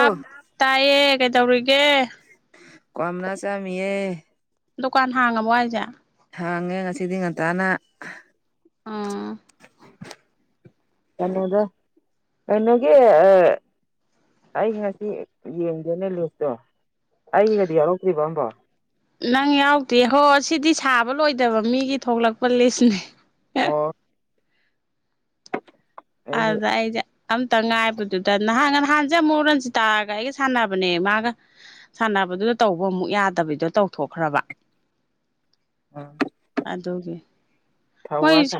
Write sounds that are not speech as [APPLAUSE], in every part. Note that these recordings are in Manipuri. ꯥ ꯇꯥꯏꯌꯦ ꯀꯩꯗꯧꯔꯤꯒꯦ ꯀꯝꯅꯁꯦ ꯌꯦ ꯗꯨꯀꯥꯟ ꯍꯥꯡꯉꯕꯣ ꯍꯥꯏꯁꯦ ꯍꯥꯡꯉꯦ ꯉꯁꯤꯗꯤ ꯉꯟꯇꯥꯅ ꯑꯥ ꯀꯩꯅꯗ ꯀꯩꯅꯒꯤ ꯑ ꯑꯩ ꯉꯁꯤ ꯌꯦꯡꯒꯦꯅꯦ ꯂꯤꯁꯇꯣ ꯑꯩꯒꯤꯒꯗꯤ ꯌꯥꯎꯔꯛꯇ꯭ꯔꯤꯕ ꯑꯝꯕꯣ ꯅꯪ ꯌꯥꯎꯗꯦ ꯍꯣ ꯁꯤꯗꯤ ꯁꯥꯕ ꯂꯣꯏꯗꯕ ꯃꯤꯒꯤ ꯊꯣꯛꯂꯛꯄ ꯂꯤꯁꯅꯦ ꯑꯣ ꯑꯩꯗꯤ ꯑꯗꯥꯏꯗ ꯑꯝꯇ ꯉꯥꯏꯕꯗꯨꯗ ꯅꯍꯥꯟꯒ ꯅꯍꯥꯟꯁꯦ ꯑꯃ ꯔꯟꯁꯤ ꯇꯥꯔꯒ ꯑꯩꯒ ꯁꯥꯟꯅꯕꯅꯦ ꯃꯥꯒ ꯁꯥꯟꯅꯕ ꯗꯨꯗ ꯇꯧꯕ ꯑꯃꯨꯛ ꯌꯥꯗꯕꯤꯗꯣ ꯇꯧꯊꯣꯛꯈ꯭ꯔꯕ ꯑꯗꯨꯒꯤ ꯊꯧꯋꯥ ꯃꯣꯏ ꯁꯥ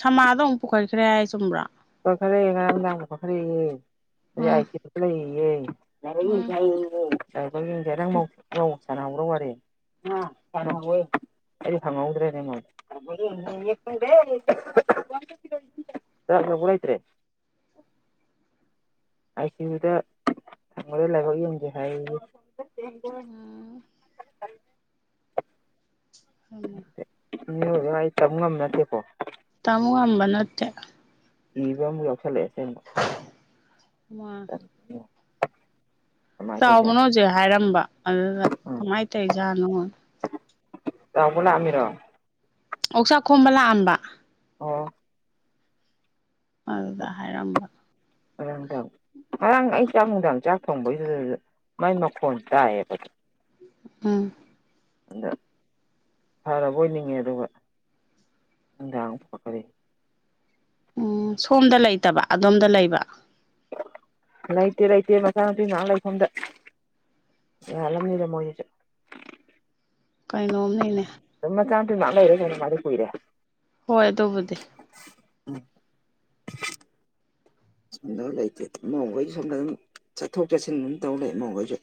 ꯁꯃꯥꯗꯣ ꯑꯃꯨꯛ ꯄꯨꯈꯠꯈ꯭ꯔꯦ ꯍꯥꯏ ꯆꯨꯝꯕ꯭ꯔꯣ ꯈꯣꯏ ꯈꯔ ꯂꯩꯌꯦꯦ ꯉꯥꯡꯗꯥ ꯈꯔ ꯈꯔ ꯂꯩꯌꯦꯦ ꯑꯩ ꯎꯝ ꯑꯥꯏ ꯁꯤ ꯈ ꯂꯩꯌꯦꯦ ꯎꯝ ꯕꯒꯤꯡꯗ ꯆꯅ ꯍꯥꯡ꯭ꯔꯣꯔ ꯑ ꯑꯔ ꯑꯣꯏꯣꯏ ꯑꯩ ꯍꯪꯉꯧꯗ꯭ꯔꯦꯅꯦ ꯐꯔꯣꯏꯇꯦ ꯑꯥꯏ ꯁꯤ ꯌꯨꯗ ꯊꯕꯗ ꯂꯥꯏꯕ ꯌꯦꯡꯁꯦ ꯍꯥꯏ [INAUDIBLE] ꯎꯝ ꯍꯜꯂꯦ ꯎ ꯑꯩ ꯆꯝ ꯉꯝꯃꯦꯠꯇꯦꯀꯣ ꯇꯃꯨꯑꯝꯕꯅꯠꯇꯦ ꯏꯕ ꯃꯛ ꯐꯦ ꯃꯥ ꯀꯃꯥꯏꯅ ꯆꯥꯎꯕꯅꯣ ꯇꯧꯖꯥꯠꯅꯣ ꯍꯧꯖꯤꯛ ꯍꯥꯏꯔꯝꯕ ꯑꯗꯨꯗ ꯀꯃꯥꯏꯅ ꯇꯧꯔꯤꯖꯥꯠꯅꯣ ꯇꯕꯨꯅ ꯑꯃꯔꯣ ꯑꯣꯛꯆꯥꯛ ꯈꯣꯝꯕ ꯂꯥꯛꯑꯝꯕ ꯑꯣ ꯑꯗꯨꯗ ꯍꯥꯏꯔꯝꯕꯗꯣ ꯑꯗ ꯉꯔꯥꯡ ꯑꯩ ꯆꯥꯛ ꯅꯨꯡꯗꯥꯡ ꯆꯥꯛ ꯊꯣꯡꯕꯩꯁꯤꯗ ꯃꯥꯏ ꯃꯈꯣꯟ ꯇꯥꯏꯌꯦꯕ ꯎꯝ ꯑꯗ ꯐꯔꯕ ꯑꯣꯏ ꯅꯤꯡꯉꯦ ꯑꯗꯨꯒ ꯉꯥꯡ ꯄꯣꯛꯈꯔꯤ ꯎꯝ ꯁꯣꯝꯗ ꯂꯩꯇꯕ ꯑꯗꯣꯝꯗ ꯂꯩꯕ ꯂꯩꯇꯦ ꯂꯩꯇꯦ ꯃꯆꯥꯅꯄꯤ ꯅꯍꯥꯟ ꯂꯩꯐꯝꯝꯗ ꯑꯅꯤꯗ ꯃꯗ ꯀꯩꯅꯣꯝꯅꯦꯅꯦ ꯊꯃ ꯆ ꯇ ꯅꯥꯟ ꯏꯔꯣꯏꯅꯤ ꯃꯥ ꯀꯏꯔꯦ ꯍꯣꯏ ꯑꯗꯨꯕꯨꯗꯤ ꯎꯝ [INAUDIBLE] ꯁꯣꯝꯗ ꯂꯩꯇꯦ ꯏꯃꯥꯎꯈꯣꯏꯁꯨ ꯁꯣꯝꯗ ꯑꯗꯨꯝ ꯆꯠꯊꯣꯛ ꯆꯠꯁꯤꯟ ꯑꯗꯨꯝ ꯇꯧ ꯂꯩ ꯃꯃꯥꯎꯈꯣꯏꯁꯨ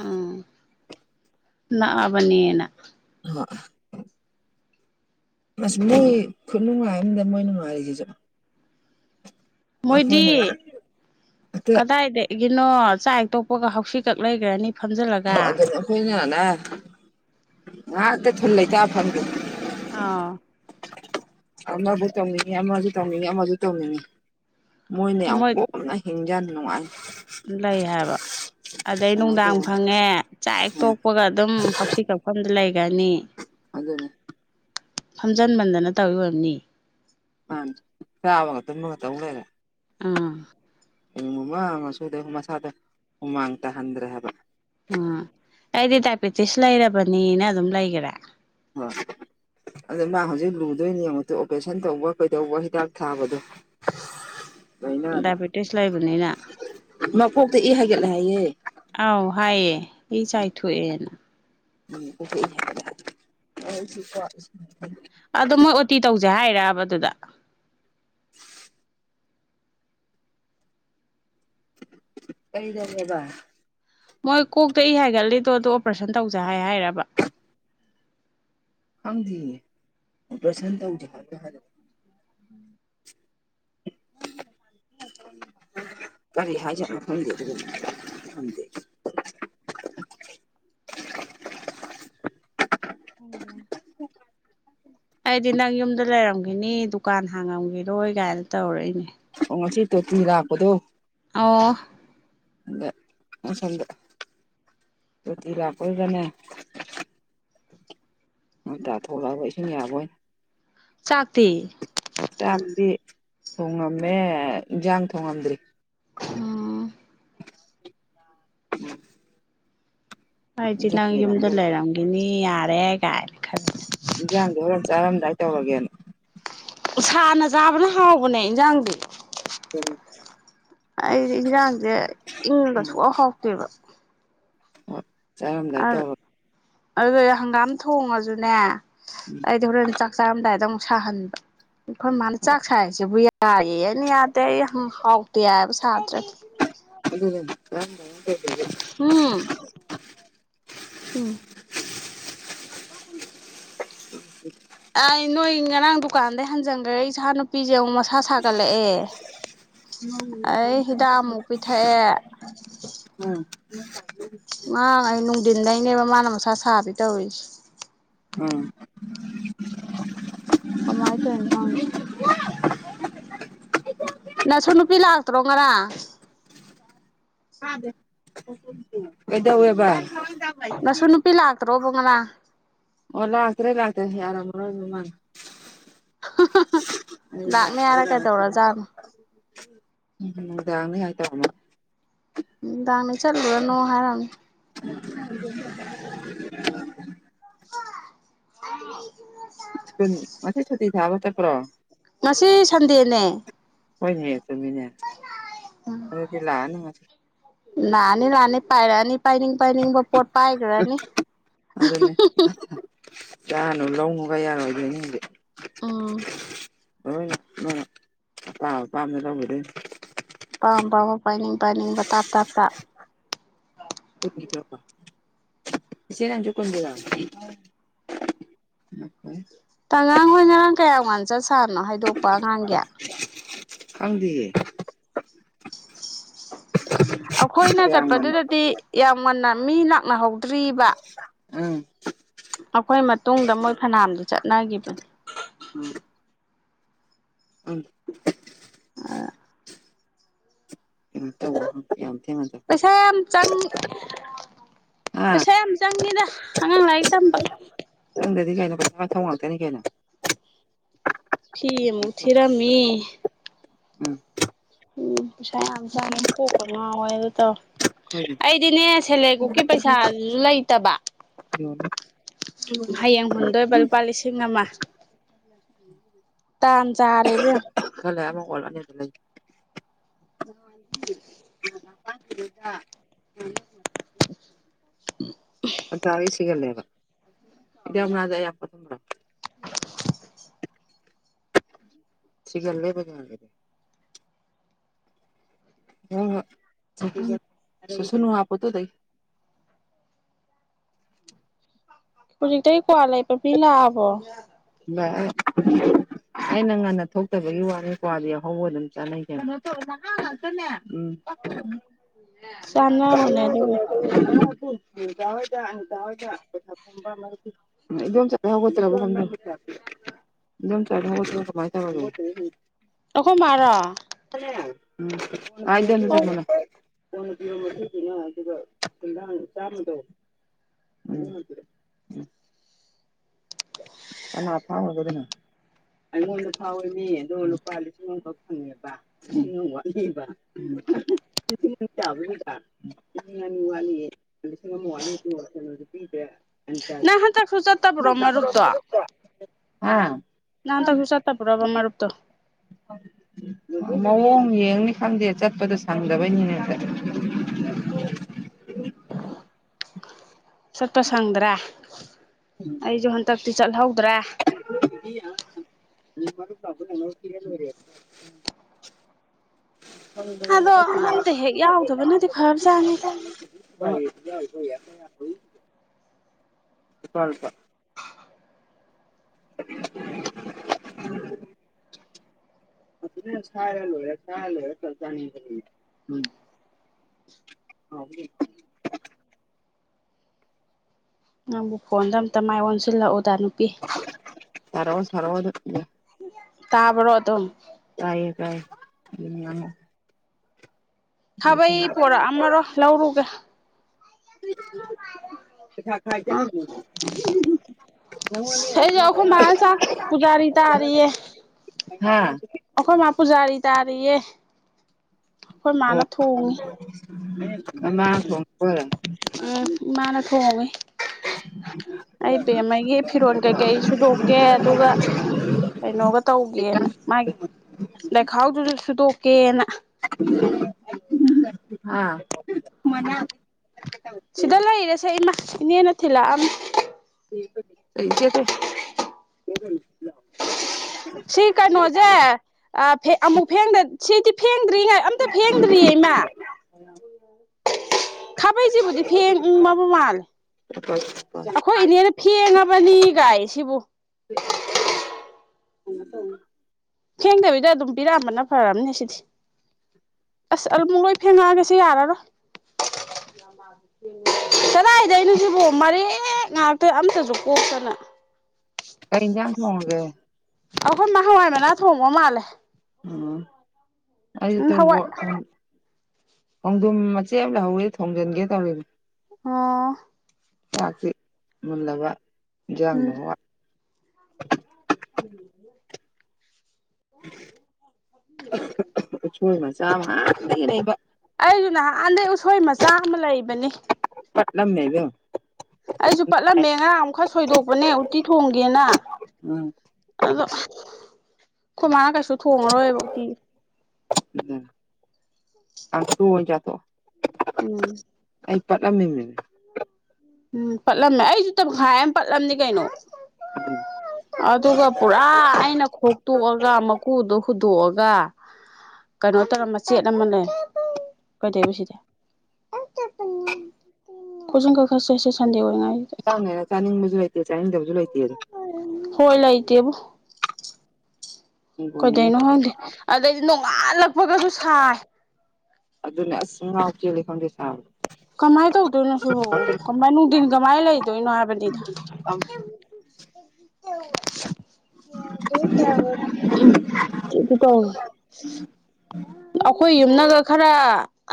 ꯎꯝ ꯕꯅꯤꯅ [UNINTELLIGIBLE] ꯑꯁ ꯃꯣꯏ ꯈꯨꯠꯅꯨꯡꯉꯥꯏꯝꯗ ꯃꯣꯏ ꯅꯨꯡꯉꯥꯏꯔꯤꯁꯤꯁꯨ ꯃꯣꯏꯗꯤ ꯑꯩꯈꯣꯏꯅ ꯑꯝꯇ ꯀꯗꯥꯏꯗ ꯀꯩꯅꯣ ꯆꯥꯛ ꯍꯦꯛꯇꯣꯛꯄꯒ ꯍꯥꯎꯁꯤ ꯀꯛ ꯂꯩꯈ꯭ꯔꯅꯤ ꯐꯝꯖꯤꯜꯂꯒ ꯑꯗꯨꯅ [UNINTELLIGIBLE] ꯑꯥ ꯑꯃꯕꯨ ꯇꯧꯅꯤꯡꯉꯤ ꯑꯃꯁꯨ ꯇꯧꯅꯤꯡꯉꯤ ꯑꯃꯁꯨ ꯇꯧꯅꯤꯡꯉꯤ ꯃꯣꯏꯅ ꯌꯥꯝ ꯃꯣꯏ ꯀꯣꯝꯅ ꯍꯤꯡꯖ ꯅꯨꯡꯉꯥꯏ ꯂꯩ ꯍꯥꯏꯕ ꯑꯗꯩ ꯀꯃꯥꯏꯅ ꯅꯨꯡꯗꯥꯡ ꯇꯧꯕꯅꯣ ꯐꯪꯉꯦ ꯆꯥꯛ ꯎꯝ ꯇꯣꯛꯄꯒ ꯑꯗꯨꯝ ꯍꯧꯁꯤ ꯀꯛꯐꯝꯗ ꯂꯩꯒꯅꯤ ꯑꯗꯨꯅꯦ ꯐꯝꯖꯟꯃꯟꯗꯅ ꯇꯧꯔꯤꯑꯣꯏꯔꯥꯝꯅꯤ ꯆꯥꯕꯥꯒ ꯇꯨꯝꯕꯒꯥ ꯇꯧ ꯂꯩꯔꯦ ꯎꯝ ꯑꯩ ꯃꯃꯥꯁꯨꯗ ꯃꯁꯥꯗ ꯍꯨꯃꯥꯡ ꯇꯥꯍꯟꯗ꯭ꯔꯦ ꯍꯥꯏꯕ ꯎ ꯑꯩꯗꯤ ꯗꯥꯏꯕꯦꯇꯤꯁ ꯂꯩꯔꯕꯅꯤꯅ ꯑꯗꯨꯝ ꯂꯩꯒꯥꯔꯦ ꯑ ꯑꯗꯨꯗ ꯃꯥ ꯍꯧꯖꯤꯛ ꯂꯨꯗꯣꯏꯅꯦ ꯌꯦꯡꯉꯣꯇꯣ ꯑꯣꯄꯔꯦꯁꯟ ꯇꯧꯕ ꯀꯩꯗꯧꯕ ꯍꯤꯗꯥꯛ ꯊꯥꯕꯗꯣ ꯂꯥꯏꯅꯥꯗꯣ ꯗꯥꯏꯕꯦꯇꯤꯁ ꯂꯥꯏꯕꯅꯤꯅ ꯃꯀꯣꯛꯇ ꯏ ꯍꯥꯏꯒꯦꯠꯂꯦ ꯍꯥꯏꯌꯦꯦ ꯏ ꯆꯥꯏꯊꯑꯦꯅ [UNINTELLIGIBLE] ꯑꯗꯣ ꯃꯣꯏ ꯑꯣꯇꯤ ꯇꯧꯁꯦ ꯍꯥꯏꯔꯕ ꯑꯗꯨꯗ ꯀꯩꯗꯧꯔꯦꯕ ꯃꯣꯏ ꯀꯣꯛꯇ ꯏ ꯍꯥꯏꯒꯠꯂꯤꯗꯣ ꯑꯗꯨ ꯑꯣꯄꯔꯦꯁꯟ ꯇꯧꯖ ꯍꯥꯏ ꯍꯥꯏꯔꯕ ꯍꯪꯗꯤꯌꯦ ꯑꯣꯄꯔꯦꯁꯟ ꯇꯧꯁꯤ [UNINTELLIGIBLE] ꯀꯔꯤ ꯍꯥꯏꯖꯠꯅꯣ ꯈꯪꯗꯦ ꯑꯗꯨꯗꯦ [INAUDIBLE] [INAUDIBLE] ꯑꯩꯗꯤ ꯅꯪ ꯌꯨꯝꯗ ꯂꯩꯔꯝꯈꯤꯅꯤ ꯗꯨꯀꯥꯟ ꯍꯥꯡꯉꯝꯈꯤꯔꯣꯏ ꯀꯥꯏꯅ ꯇꯧꯔꯛꯏꯅꯦ ꯑꯣ ꯉꯁꯤ ꯇꯣꯇꯤ ꯂꯥꯛꯄꯗꯣ ꯑꯣ [UNINTELLIGIBLE] ꯉꯥꯟꯇꯥꯊꯣꯛꯂꯛꯑꯕ ꯏꯁꯤꯡ ꯌꯕꯥꯑꯣꯏꯅꯥ ꯆꯥꯛꯇꯤ ꯆꯥꯛꯇꯤ ꯊꯣꯡꯉꯝꯃꯦ ꯏꯟꯁꯥꯡ ꯊꯣꯡꯉꯝꯗ꯭ꯔꯤ ꯎꯝ [INAUDIBLE] ꯑꯩꯗꯤ ꯅꯪ ꯏꯟꯖꯥꯡꯗꯤ ꯌꯨꯝꯗ ꯂꯥꯝꯖꯜꯂꯦ ꯂꯩꯔꯝꯒꯅꯤ ꯌꯥꯔꯦ ꯀꯥꯏ ꯏꯟꯖꯥꯡꯗꯣ ꯍꯣꯔꯦꯟ ꯆꯥꯔꯝꯗꯥꯏ ꯇꯧꯔꯒꯦꯅ ꯁꯥꯥꯟꯅ ꯆꯥꯕꯅ ꯍꯥꯎꯕꯅꯦ ꯏꯟꯁꯥꯡꯗꯤ ꯎ ꯑꯩꯗꯤ ꯏꯟꯁꯥꯡꯁꯦ ꯏꯪꯕ ꯁꯨꯛꯍꯥꯎ ꯍꯥꯎꯇꯦꯕ ꯍꯣꯏ ꯆꯥꯔꯝꯗꯥꯏ ꯇꯧꯔꯥ ꯑꯗꯨ ꯍꯪꯒꯥꯝ ꯊꯣꯡꯉꯁꯨꯅꯦ ꯑꯩꯗꯤ ꯍꯣꯔꯦꯟ ꯆꯥꯛ ꯆꯥꯔꯝꯗꯥꯏꯗ ꯁꯥꯍꯟꯕ ꯑꯩꯈꯣꯏ ꯃꯥꯅ ꯆꯥꯛ ꯁꯥꯏꯁꯤꯕꯨ ꯌꯥꯏ ꯌꯥꯑꯦ ꯑꯩꯅ ꯌꯥꯗꯦ ꯑꯩ ꯌꯥꯝ ꯍꯥꯎꯇꯦ ꯍꯥꯏꯕ ꯁꯥꯍꯟꯗꯔꯥꯗꯤ [UNINTELLIGIBLE] ꯎꯝ ꯎꯝ [UNINTELLIGIBLE] ꯑꯩ ꯅꯣꯏ ꯉꯔꯥꯡ ꯗꯨꯀꯥꯟꯗꯩ ꯍꯟꯖꯟꯈ꯭ꯔꯦ ꯏꯆꯥ ꯅꯨꯄꯤꯁꯦ ꯑꯃꯨꯛ ꯃꯁꯥ ꯁꯥꯒꯠꯂꯛꯑꯦ ꯑꯩ ꯍꯤꯗꯥꯛ ꯑꯃꯨꯛ ꯄꯤꯊꯛꯑꯦ ꯍ ꯎꯝ ꯗꯤꯟꯗꯩꯅꯦꯕ ꯃꯥꯅ ꯃꯁꯥ ꯁꯥꯕꯤ ꯇꯧꯔꯤꯁꯦ ꯎꯝ ꯀꯃꯥꯏꯅ ꯇꯧꯔꯤꯅꯣ ꯈꯪꯗꯦ [INAUDIBLE] ꯄꯤ ꯂꯥꯁꯇ꯭ꯔꯣꯒꯔ ꯀꯩꯗꯧ ꯌꯥꯕꯏ ꯉꯁꯨ ꯅꯨꯄꯤ ꯂꯥꯛꯇ꯭ꯔꯣꯕꯨꯡ ꯉꯅꯥ ꯑꯣ ꯂ ꯍꯥꯇ꯭ꯔꯦ ꯂꯥꯛꯇꯦ ꯌꯥꯔ ꯃꯃ [UNINTELLIGIBLE] ꯂꯥꯛꯅꯤ ꯍꯥꯏꯔ ꯀꯩꯗꯧꯔꯖꯥꯠꯅꯣ ꯎꯝ ꯌꯥꯥꯡꯅꯤ ꯍꯥꯏꯇꯥꯔꯃ ꯎ ꯗꯅꯤ ꯆꯜꯂꯅꯣ ꯍꯥꯏꯔꯅꯤ ꯎ ꯎꯝ ꯁꯀꯨꯜ ꯃꯦ ꯁꯇꯤ ꯊꯕ ꯆ ꯀ꯭ꯔꯣ ꯉꯁꯤ ꯁꯟꯗꯦꯅꯦ ꯍꯣꯏꯅꯦ ꯑꯗꯨꯃꯤꯅꯦ ꯑꯗꯨꯗꯤ ꯂꯥꯛꯑꯅꯉ ꯅꯤ ꯂꯅꯤ ꯄꯥꯏꯂꯅꯤ ꯄꯥꯏꯅꯤꯡ ꯄꯥꯏꯅꯤꯡꯕ ꯄꯣꯠ ꯄꯥꯏꯈ꯭ꯔꯅꯤ ꯀꯥꯅꯨ ꯂꯧꯅꯨꯒꯌꯥꯔꯣꯏꯗꯣꯏꯗꯤꯦ ꯎꯝ ꯍ ꯇ ꯄꯥꯝꯃꯦ ꯂꯕꯨꯗ ꯑꯄꯥꯝ ꯄꯥꯝꯕ ꯄꯥꯏꯅꯤꯡ ꯄꯥꯏꯅꯤꯡꯕ ꯇꯥꯞ ꯇꯥꯞ ꯀꯨꯟꯒꯤ ꯄꯤꯔꯛꯄ ꯏꯆꯦ ꯅꯪꯒꯤꯁꯦ ꯀꯨꯟꯒꯤꯔꯣ ꯑꯉꯥꯡ ꯍꯣꯏ ꯉꯔꯥꯡ ꯀꯌꯥꯝ ꯉꯥꯟꯅ ꯆꯠꯁꯅꯣ ꯍꯥꯏꯗꯣꯛꯄ ꯑꯉꯥꯡꯒꯤ ꯈꯪꯗꯤꯌꯦ ꯑꯩꯈꯣꯏꯅ ꯀꯌꯥꯝ ꯉꯟꯅ ꯆꯠꯄꯗꯨꯗꯗꯤ ꯌꯥꯝ ꯉꯟꯅ ꯃꯤ ꯂꯥꯛꯅꯍꯧꯏ ꯇꯔꯕꯥ ꯎꯝ ꯑꯩꯈꯣꯏ ꯃꯇꯨꯡꯗ ꯃꯣꯏ ꯐꯅꯥꯝꯗꯤ ꯆꯠꯅꯈꯤꯕꯅꯦ ꯑꯪ ꯑ [INAUDIBLE] ꯄꯩꯁꯥ ꯌꯥꯝ ꯆꯪ ꯍꯥ ꯄꯩꯁꯥ ꯌꯥꯝ ꯆꯪꯉꯤꯗ ꯑꯉꯥꯡ ꯂꯥꯏꯔꯤꯛ ꯇꯝꯕ ꯈꯪꯗꯗꯤ ꯀꯩꯅꯣ ꯄꯩꯁꯥꯒꯤ ꯃꯊꯧ ꯉꯥꯛꯇꯅꯤ ꯀꯩꯅꯣ ꯐꯤ ꯑꯃꯨꯛ ꯊꯤꯔꯝꯃꯤ ꯎꯝ ꯎꯝ ꯄꯩꯁꯥ ꯌꯥꯝ ꯆꯉꯦ ꯀꯣꯛꯀ ꯉꯥꯎꯌꯦ ꯑꯗꯨ ꯇꯧꯋꯦ ꯑꯩꯈꯣꯏꯒꯤ ꯑꯩꯗꯤꯅꯦ ꯁꯦꯜꯂꯦꯞ ꯒ꯭ꯔꯨꯞꯀꯤ ꯄꯩꯁꯥ ꯂꯩꯇꯕ ꯌꯣꯜꯂꯣ ꯍꯌꯦꯡ ꯍꯨꯟꯗꯣꯏꯕ ꯂꯨꯄꯥ ꯂꯤꯁꯤꯡ ꯑꯃ ꯇꯥꯟꯖꯔꯦ ꯏꯕꯦꯝꯃ ꯑꯃꯛ ꯑꯣꯜꯅꯤ ꯂꯩ [INAUDIBLE] ꯎꯝ ꯑꯆꯥ ꯁꯤꯒꯜꯂꯦꯕ ꯏꯗꯛ ꯃꯅꯗꯣ ꯑꯌꯥꯛꯄꯗꯨꯔꯣ ꯁꯤꯒꯟꯂꯦꯕ ꯍ ꯍ ꯆ ꯁ ꯅ ꯍꯣ ꯇ ꯇꯥꯏ ꯍꯧꯖꯤꯛꯇꯩ ꯀꯣꯋꯥ ꯂꯩꯕ ꯃꯤ ꯂꯥꯛꯑꯕꯣ ꯑꯩꯅ ꯉꯟꯅ ꯊꯣꯛꯇꯕꯒꯤ ꯋꯥꯅꯦ ꯀ꯭ꯋꯥꯗꯤ ꯑꯍꯧꯕ ꯑꯗꯨꯝ ꯆꯠꯅꯩ ꯀꯩꯅꯣ ꯎꯝ ꯆꯥꯟꯅꯕꯅꯦ ꯑꯗꯨꯒ [INAUDIBLE] ꯑꯅꯤꯇꯥ ꯍꯣꯏꯗ ꯑꯅꯤꯇꯥ ꯍꯣꯏꯗ ꯄꯦꯁꯥ ꯈꯣꯝꯕ ꯃꯔꯨꯞꯀꯤ ꯏꯗꯣꯝꯆꯥ ꯍꯧꯒꯠꯇ꯭ꯔꯕ ꯀꯩꯅꯣꯝ ꯍꯒ ꯃꯦꯝꯆꯥꯗꯤ ꯍꯧꯒꯠꯇꯔ ꯀꯃꯥꯏ ꯇꯧꯔꯒꯦ ꯑꯩꯈꯣꯏ ꯃꯥꯔꯣ ꯎꯝ ꯍꯥꯏꯗꯅ ꯑꯧ ꯆꯪꯕ ꯀꯣꯟꯅ ꯄꯤꯔꯣ ꯃꯇꯨꯡꯗꯨꯅ ꯑꯗꯨꯒ ꯆꯥꯝꯃꯗꯣ ꯎꯝ ꯎꯝ ꯀꯅꯥ ꯐꯥꯎꯈꯔꯒꯦ ꯑꯗꯨꯅ ꯑꯩꯉꯣꯟꯗ ꯐꯥꯎꯋꯦ ꯃꯤ ꯑꯗꯣ ꯂꯨꯄꯥ ꯂꯤꯁꯤꯡ ꯑꯃꯈꯛ ꯐꯪꯉꯦꯕ ꯂꯤꯁꯤꯡ ꯑꯃ ꯋꯥꯠꯂꯤꯕ ꯋꯥ ꯋꯥ ꯑꯗꯨ ꯄꯤꯗꯦ ꯅꯪ ꯍꯟꯇꯥꯛ ꯁꯨ ꯆꯠ ꯇꯥꯕꯔꯣ ꯃꯔꯨꯨꯞꯇꯣ ꯍꯥ ꯅꯪ ꯍꯟꯗꯛꯁꯨ ꯆꯠꯇꯕꯣꯔ ꯃꯔꯨꯞꯇꯣ ꯃꯑꯣꯡ ꯌꯦꯡꯅꯤ ꯈꯪꯗꯦ ꯆꯠꯄꯗꯣ ꯁꯪꯗꯕꯩꯅꯤꯅꯦ [INAUDIBLE] ꯆꯠꯄ ꯁꯪꯗ꯭ꯔꯦ ꯑꯩꯁꯨ ꯍꯟꯗꯛꯇꯤ ꯆꯠꯍꯧ [INAUDIBLE] ꯃꯔ ꯀꯩꯅ ꯄꯤꯔ ꯂꯣꯏꯂꯦ ꯑꯗꯣ ꯑꯝꯇ ꯍꯦꯛ ꯌꯥꯎꯗꯕꯅꯗꯤ ꯐꯕꯖꯥꯠꯅꯤꯗ [INAUDIBLE] ꯆꯄꯥ [INAUDIBLE] [INAUDIBLE] ꯁꯂ ꯁꯂ ꯆ [INAUDIBLE] ꯑ [INAUDIBLE] ꯅꯪꯕꯨ ꯐꯣꯟꯗ ꯑꯝꯇ ꯃꯥꯏ ꯑꯣꯟꯁꯤꯜꯂꯛꯎꯗ ꯅꯨꯄꯤ ꯇꯔ ꯋꯥ ꯁꯔꯋꯥꯗ [INAUDIBLE] ꯇꯥꯕ꯭ꯔꯣ ꯑꯗꯨꯝ ꯇꯥꯏꯌꯦ ꯇꯥꯏꯌꯦ ꯑꯩ ꯊꯥꯕꯩ ꯁꯣꯝꯗ ꯄꯣꯔꯛꯑꯃꯔꯣ ꯂꯧꯔꯨꯒꯦ [INAUDIBLE] ꯄꯩꯁꯥ ꯈꯥꯏ ꯆꯂ ꯑꯥ ꯅꯪꯉꯅꯦ [INAUDIBLE] ꯑꯩꯁꯨ ꯑꯩꯈꯣꯏ ꯃꯥꯅ ꯆꯥꯛ ꯄꯨꯖꯥꯔꯤ ꯇꯥꯔꯤꯌꯦ ꯍꯥꯥ ꯑꯩꯈꯣꯏ ꯃꯥ ꯄꯨꯖꯥꯔꯤ ꯇꯥꯔꯤꯌꯦ ꯑꯩꯈꯣꯏ ꯃꯥꯅ ꯊꯣꯡꯉꯤ ꯎ [INAUDIBLE] ꯑꯝ ꯢꯃꯥꯅ ꯊꯣꯡꯢ ꯑꯩ ꯕꯦꯝꯃꯒꯤ ꯐꯤꯔꯣꯜ ꯀꯩꯀꯩ ꯁꯨꯗꯣꯛꯀꯦ ꯑꯗꯨꯒ ꯀꯩꯅꯣꯒ ꯇꯧꯒꯦꯅ ꯃꯥꯒꯤ ꯂꯩꯈꯥꯎꯗꯨꯁꯨ ꯁꯨꯗꯣꯛꯀꯦꯅ ꯍꯥꯥ ꯁꯤꯗ ꯂꯩꯔꯁꯦ ꯏꯃꯥ ꯏꯅꯦꯅ ꯊꯤꯜꯂꯛꯑꯃꯦ [INAUDIBLE] ꯁꯤ ꯀꯩꯅꯣꯁꯦ ꯑꯃꯨꯛ ꯐꯦꯡꯗ ꯁꯤꯗꯤ ꯐꯦꯡ ꯐꯦꯡꯗ꯭ꯔꯤꯉꯥꯏ ꯑꯝꯇ ꯐꯦꯡꯗ꯭ꯔꯤꯌꯦ ꯏꯃ ꯈꯕꯩꯁꯦꯕꯨꯗꯤ ꯐꯦꯡꯉꯕ ꯃꯥꯜꯂꯦ ꯑꯩꯈꯣꯏ ꯏꯅꯦꯅ ꯐꯦꯡꯉꯕꯅꯤ ꯒꯥꯏꯁꯤꯕꯨ ꯑꯗꯣ ꯐꯤꯡꯗꯕꯤꯗ ꯑꯗꯨꯝ ꯄꯤꯔꯛꯑꯝꯕꯅ ꯐꯔꯝꯅꯦ ꯁꯤꯗꯤ ꯑꯁ ꯑꯗꯨꯝ ꯂꯣꯢ ꯐꯦꯡꯉꯛꯑꯒꯦ ꯌꯥꯔꯔꯣꯢ ꯀꯗꯥꯏꯗꯩꯅꯣ ꯁꯤꯕꯣ ꯃꯔꯦꯛ ꯉꯥꯛꯇ ꯑꯝꯇꯁꯨ ꯀꯣꯛꯇꯅ ꯀꯔꯤ ꯌꯦꯟꯁꯥꯡ ꯊꯣꯡꯉꯥꯒꯦ ꯑꯩꯈꯣꯏ ꯃ ꯍꯥꯟꯋꯥꯏ ꯃꯅꯥ ꯊꯣꯡꯕ ꯃꯥꯜꯂꯦ ꯑꯩꯁꯨ ꯎꯝ ꯍꯋꯥꯏ ꯇꯣꯔꯕꯣꯠ ꯈꯣꯡꯗꯣꯝ ꯃꯆꯦꯠ ꯑꯃ ꯂꯧꯍꯧꯋꯦ ꯊꯣꯡꯖꯤꯟꯒꯦ ꯇꯧꯔꯤ ꯑꯥ ꯃꯂꯕꯗꯤꯪ ꯅꯣꯡꯉ [INAUDIBLE] ꯎꯝ [INAUDIBLE] ꯎꯁꯣꯢ ꯃꯆꯥꯥ ꯑꯃ ꯍꯥꯟꯅꯗꯒꯤ ꯂꯩꯕ ꯑꯩꯁꯨ ꯅꯍꯥꯟꯗꯩ ꯎꯁꯣꯏ ꯃꯆꯥ ꯑꯃ ꯂꯩꯕꯅꯤ ꯄꯠꯅꯝꯅꯦ ꯢꯄꯦꯝꯃ ꯑꯩꯁꯨ ꯄꯠꯂꯝꯃꯦ ꯉꯥ ꯑꯃꯨꯛ ꯈ ꯁꯣꯏꯗꯣꯛꯄꯅꯦ ꯎꯇꯤ ꯊꯣꯡꯒꯦꯅ ꯎꯝ ꯑꯗꯣ ꯑꯩꯈꯣꯏ ꯃꯥꯅ ꯀꯩꯁꯨ ꯊꯣꯡꯉꯔꯣꯏꯕ ꯎꯇꯤ ꯎꯝ ꯀꯥꯡꯁꯨ ꯑꯣꯢꯅ ꯆꯊꯣꯛꯑꯣ ꯎꯝ ꯑꯩ ꯄꯠꯂꯝꯃꯤꯅꯦ ꯎꯝ ꯄꯠꯂꯝꯃꯦ ꯑꯩꯁꯨ ꯇꯈꯥꯏ ꯑꯃ ꯄꯠꯂꯝꯅꯤ ꯀꯩꯅꯣ ꯑꯗꯨꯒ ꯄꯨꯔꯥ ꯑꯩꯅ ꯈꯣꯛꯇꯣꯛꯑꯒ ꯃꯀꯨꯗꯣ ꯍꯨꯟꯗꯣꯛꯑꯒ ꯒ ꯀꯩꯅꯣ ꯇꯧꯔꯝꯕꯆꯦꯠ ꯑꯃꯅꯦ ꯀꯩꯗꯧ ꯁꯤꯗꯤ ꯈꯨꯖꯤꯡ ꯀꯥꯛꯁꯦ ꯁꯟꯗꯦ ꯑꯣꯢ ꯆꯥꯡ ꯆꯥꯅꯤꯡ ꯃ ꯍꯥꯏꯦ ꯆ [INAUDIBLE] ꯍꯣꯏ ꯂꯩꯇꯦꯕꯣ ꯍꯤꯡꯒꯣꯜꯅꯤꯅ ꯀꯩꯗꯩꯅꯣ ꯈꯪꯗꯦ ꯑꯗꯩꯗꯤ ꯅꯣꯡꯉꯥꯜꯂꯛꯄꯒꯁꯨ ꯁꯥꯏ ꯑꯗꯨꯅꯦ ꯑꯁ ꯉꯥꯎ ꯆꯦꯜꯜꯂꯤꯦ ꯈꯪꯗꯦ ꯁꯥꯕ꯭ꯔꯣ ꯀꯃꯥꯏꯅ ꯇꯧꯗꯣꯏꯅꯣ ꯁꯤꯕ ꯀꯃꯥꯏ ꯅꯨꯡꯇꯤ ꯀꯃꯥꯏꯅ ꯂꯩꯗꯣꯏꯅꯣ ꯍꯥꯏꯕꯅꯤꯗ [UNINTELLIGIBLE] [UNINTELLIGIBLE] ꯎꯝꯗꯤ ꯇꯧ ꯑꯩꯈꯣꯏ ꯅꯒ ꯈꯔ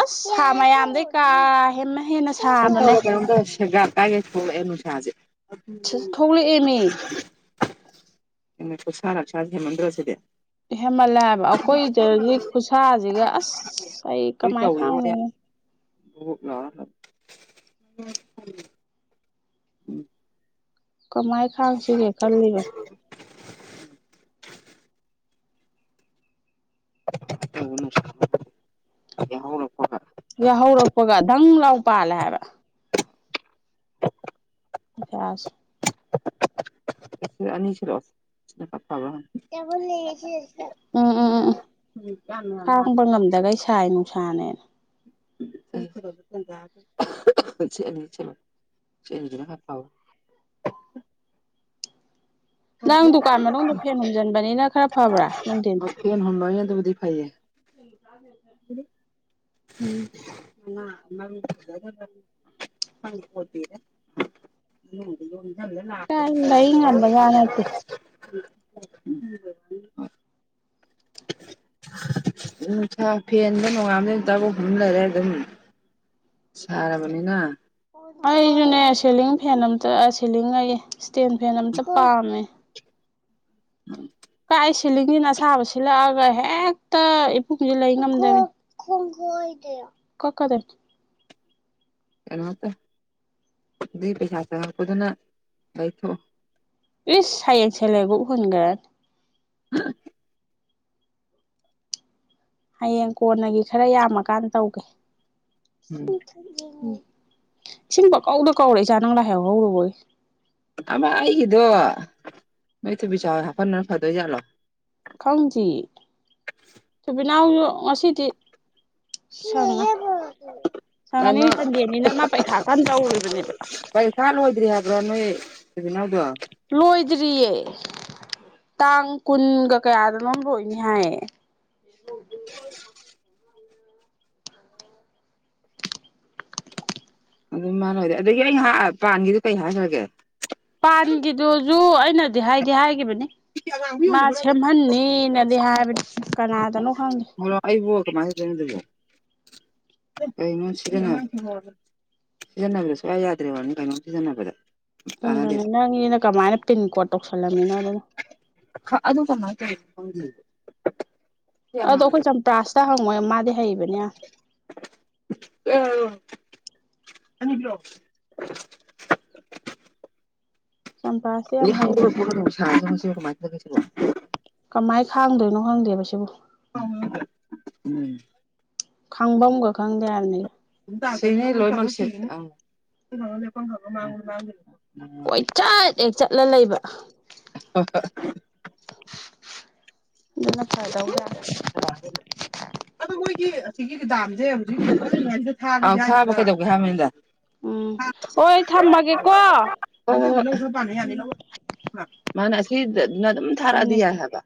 ꯑꯁ ꯁꯥ ꯃꯌꯥꯝꯗꯩ ꯀꯥ ꯍꯦꯃ ꯍꯦꯟꯅ ꯁꯥꯕꯅꯦ ꯒꯒꯥ ꯇꯒꯦ ꯁꯦꯅꯅꯨꯡꯁꯥꯖꯦ ꯊꯣꯛꯒꯂ ꯑꯦꯃꯦ ꯑꯦ ꯀꯁꯥꯔ ꯆꯗꯦ ꯃꯗꯨꯔꯣꯁꯤꯗ ꯍꯦꯃꯜꯂ ꯍꯥꯏꯕ ꯑꯩꯈꯣꯏꯗꯗꯤ ꯈꯨꯠꯁꯥꯁꯤꯒ ꯑꯁ ꯑꯩ ꯀꯃꯥꯏꯅ ꯈꯥꯡꯅ ꯑꯣ ꯎꯝ ꯀꯃꯥꯏ ꯈꯥꯡꯁꯤꯒꯦ ꯈꯜꯂꯤꯕ ꯌꯥꯍꯅꯄ ꯌꯥꯍꯧꯔꯛꯄꯒꯗꯪ ꯂꯥꯎ ꯄꯥꯜꯂꯦ ꯍꯥꯏꯕ ꯑꯁ ꯑꯅꯤꯁꯤ ꯔꯣ ꯀꯦꯃꯣ ꯂꯩ ꯌꯦꯁꯤꯦꯁ ꯎꯝ ꯎꯝ ꯌꯥꯝꯃꯦ ꯃꯥꯦ ꯏꯁꯥꯏ ꯅꯨꯡꯁꯥꯅꯦꯅ ꯆꯂ ꯁꯤ ꯍꯥ ꯄꯥꯎ [INAUDIBLE] ꯑ ꯅꯪ ꯗꯨꯀꯥꯟ ꯃꯅꯨꯡꯗ ꯐꯦꯟ ꯍꯨꯝꯖꯤꯟꯕꯅꯤꯅ ꯈꯔ ꯐꯕ꯭ꯔꯥ ꯅꯨꯡꯊꯤꯟ ꯍꯣꯏ ꯎꯝ ꯑ ꯍꯪꯠꯇꯔꯦ ꯂ ꯀꯥꯏ ꯂꯩ ꯉꯝꯕꯖꯥꯠ ꯅꯠꯇꯦ ꯂꯥꯛ [UNINTELLIGIBLE] ꯎ ꯐꯗꯅꯨꯡꯉ ꯑꯇꯕꯨ ꯍꯨꯝꯨꯝ ꯂꯩꯔꯦ ꯑꯗꯨꯝ ꯁꯥꯔꯕꯅꯤꯅ ꯑꯩꯁꯨꯅꯦ ꯁꯤꯂꯤꯡ ꯐꯦꯟ ꯑꯇ ꯁꯤꯂꯤꯡꯉꯩ ꯏꯁꯇꯦꯟ ꯐꯦꯟ ꯑꯇ ꯄꯥꯝꯃꯦ ꯎꯝ ꯑꯩ ꯁꯤꯂꯤꯡꯁꯤꯅ ꯑꯁꯥꯕ ꯁꯤꯜꯂꯛꯑꯒ ꯍꯦꯛꯇ ꯏꯄꯨꯡꯁꯤ ꯂꯩ ꯉꯝꯗꯦ ꯈꯣꯡꯒ ꯀꯀꯗ ꯀꯩꯅꯣ ꯇ ꯑꯗꯨ ꯄꯩꯁꯥ ꯀꯨꯗꯅ ꯑꯩꯊꯣ ꯑꯦ ꯁꯥꯏꯡ ꯁꯂꯦꯒ ꯍꯟꯒ꯭ꯔ ꯍꯌꯦꯡ ꯀꯣꯟꯅꯒꯤ ꯈꯔ ꯌꯥꯝꯃꯀꯥꯟ ꯇꯧꯒꯦ ꯎꯝ ꯁꯤꯁꯤꯡꯕ ꯀꯧꯗ ꯀꯧꯔꯦ ꯏꯆꯥ ꯅꯪ ꯂꯥꯏ ꯍꯥꯎ ꯍꯧꯔꯨꯕꯣꯏ ꯑꯃ ꯑꯩꯒꯤꯗꯣ ꯅꯣꯏ ꯊꯨꯕꯤ ꯆꯥꯎ ꯍꯥꯞꯄꯅ ꯐꯗꯣꯏꯖꯥꯠꯂꯣ ꯈꯪꯗ꯭ꯌꯦ ꯁꯨꯕꯤꯅꯥꯎꯁꯨ ꯉꯁꯤꯗꯤ ꯪꯅꯤ ꯁꯪꯉꯅꯤ ꯀꯩꯅꯣ ꯁꯟꯗꯦꯅꯤꯅ ꯃꯥ ꯄꯩꯈꯥ ꯀꯝ ꯇꯧꯔꯨꯔꯤꯕꯅꯦꯕ ꯄꯩꯁꯥ ꯂꯣꯏꯗ꯭ꯔꯤ ꯍꯥꯏꯕ꯭ꯔꯣ ꯅꯣꯏ ꯏꯖꯤꯅꯥꯎꯗꯣ ꯀꯨꯗꯔꯤꯦ ꯇꯥꯡ ꯀꯨꯟꯒ ꯀꯌꯥꯗꯅꯣꯝ ꯂꯣꯏꯅꯤ ꯍꯥꯏꯌꯦ ꯑꯗꯨ ꯃꯥꯥꯟꯂꯣꯏꯗꯦ ꯑꯗꯒꯤ ꯑꯩ ꯄꯥꯟꯒꯤꯗꯨ ꯀꯩ ꯍꯥꯏꯈ꯭ꯔꯒꯦ ꯄꯥꯟꯒꯤꯗꯨꯖ ꯑꯩꯅꯗꯤ ꯍꯥꯏꯗꯤ ꯍꯥꯏꯈꯤꯕꯅꯤ ꯃꯥ ꯁꯦꯝꯍꯟꯅꯤꯅꯗꯤ ꯍꯥꯏꯕꯗꯤ ꯀꯅꯥꯗꯅꯣ ꯈꯪꯅꯤꯦ ꯣꯩꯅ ꯁꯤꯗꯅ ꯁꯤꯖꯤꯟꯅꯕꯗ ꯁꯨꯡꯌꯥ ꯌꯥꯗ꯭ꯔꯦ ꯋꯥꯅꯤ ꯀꯩꯅꯣꯝ ꯁꯤꯖꯤꯟꯅꯕꯗ ꯆꯥꯟꯅꯗꯦ ꯎꯝꯪꯅ ꯀꯃꯥꯏ ꯇꯤꯤꯟꯀꯣ ꯑꯗꯨ ꯀꯃꯥꯏ ꯇꯧꯔꯤ ꯑꯗꯨꯗꯣ ꯑꯩꯈꯣꯏ ꯆꯝꯄ꯭ꯔꯁꯤꯇ ꯍꯪꯉꯣꯏ ꯃꯥꯗꯤ ꯍꯩꯕꯅꯦ ꯑꯅꯤ ꯀꯣ ꯆꯝꯄ꯭ꯔꯥꯁꯇꯤ ꯌꯥꯝ ꯍꯩꯕꯅꯦ ꯁꯦ ꯀꯃꯥꯏ ꯈꯥꯡꯗꯣꯏꯅꯣ ꯈꯪꯗꯦꯕ ꯁꯤꯕꯨ ꯎꯝ ꯈꯪꯕ ꯑꯃꯒ ꯈꯪꯗꯦ ꯍꯥꯏꯕꯅꯤ ꯂꯣꯏ ꯃ ꯀꯣꯏꯆꯠ ꯍꯦꯛ ꯆꯠꯂ ꯂꯩꯕ ꯑꯗꯨꯅ ꯐꯗꯧꯖꯥ ꯑꯗꯣ ꯃꯣꯏꯒꯤ ꯁꯤ ꯗꯥꯝꯁꯦ ꯍꯧꯖꯤꯛ ꯊꯕ ꯀꯩꯗꯧꯒꯦ ꯍꯥꯏꯕꯗ ꯎꯝ ꯍꯣꯏ ꯊꯝꯃꯒꯦꯀꯣ ꯄ ꯍꯥꯏꯅꯤ ꯂ ꯃꯥꯅ ꯑꯁꯤꯗꯅ ꯑꯗꯨꯝ ꯃꯤꯅꯤꯠ ꯊꯥꯔꯛꯑꯗꯤ ꯌꯥꯏ ꯍꯥꯏꯕ